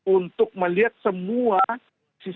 untuk melihat semua sistem